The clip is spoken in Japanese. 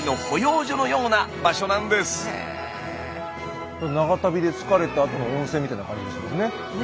いわば長旅で疲れたあとの温泉みたいな感じですもんね。